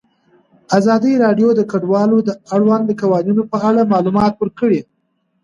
ازادي راډیو د کډوال د اړونده قوانینو په اړه معلومات ورکړي.